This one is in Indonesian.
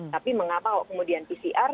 tapi mengapa kemudian pcr